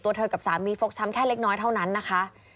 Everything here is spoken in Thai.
เธอกับสามีฟกช้ำแค่เล็กน้อยเท่านั้นนะคะ